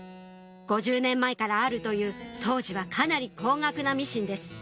５０年前からあるという当時はかなり高額なミシンです